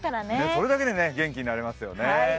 それだけで元気になれますよね。